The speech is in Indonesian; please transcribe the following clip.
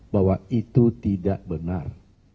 bahwa itu tidak benar